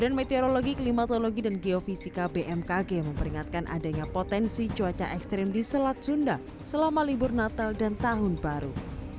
badan meteorologi klimatologi dan geofisika bmkg memperingatkan adanya potensi cuaca ekstrim di selat sunda selama libur natal dan tahun baru